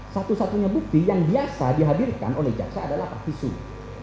satu satunya bukti yang biasa dihadirkan oleh jaksa adalah pak visum